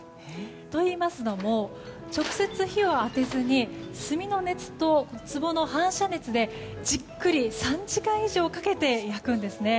といいますのも直接、火を当てずに炭の熱とつぼの反射熱でじっくり３時間以上かけて焼くんですね。